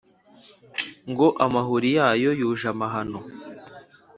ngo amahuri yayo yuje amahano